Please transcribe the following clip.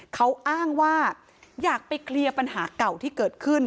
เขาอ้างว่าอยากไปเคลียร์ปัญหาเก่าที่เกิดขึ้น